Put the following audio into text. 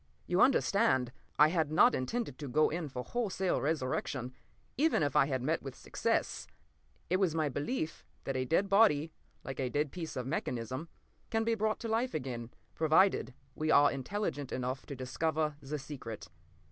You understand, I had not intended to go in for wholesale resurrection, even if I had met with success. It was my belief that a dead body, like a dead piece of mechanism, can be brought to life again, provided we are intelligent enough to discover the secret.